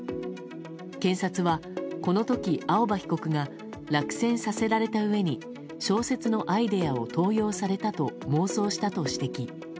検察はこの時、青葉被告が落選させられたうえに小説のアイデアを盗用されたと妄想したと指摘。